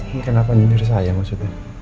ini kenapa nyuruh sayang maksudnya